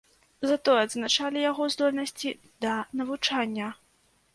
Затое адзначалі яго здольнасці да навучання.